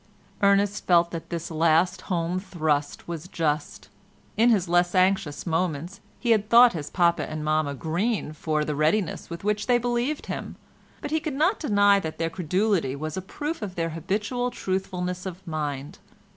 Ernest felt that this last home thrust was just. In his less anxious moments he had thought his papa and mamma "green" for the readiness with which they believed him, but he could not deny that their credulity was a proof of their habitual truthfulness of mind.